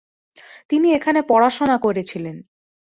তিনি এখানে পড়াশোনা করেছিলেন।